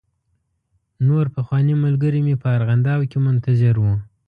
نور پخواني ملګري مې په ارغنداو کې منتظر و.